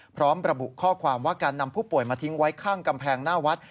พร้อมระบุข้อความว่าการนำผู้ป่วยมาทิ้งไว้ข้างกำแพงหน้าวัด